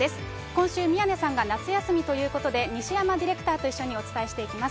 今週、宮根さんが夏休みということで、西山ディレクターと一緒にお伝えしていきます。